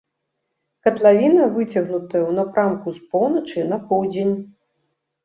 Катлавіна выцягнутая ў напрамку з поўначы на поўдзень.